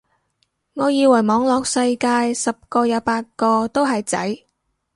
我以為網絡世界十個有八個都係仔